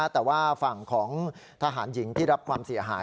แต่ว่าฝั่งของทหารหญิงที่รับความเสียหาย